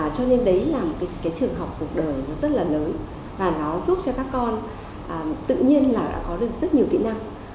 cho nên đấy là một cái trường học cuộc đời nó rất là lớn và nó giúp cho các con tự nhiên là đã có được rất nhiều kỹ năng